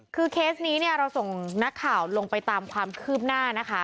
คือเคสนี้เนี่ยเราส่งนักข่าวลงไปตามความคืบหน้านะคะ